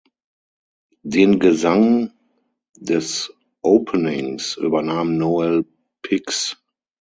Den Gesang des Openings übernahm Noel Pix.